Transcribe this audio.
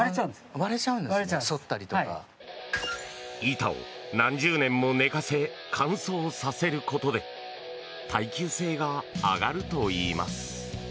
板を何十年も寝かせ乾燥させることで耐久性が上がるといいます。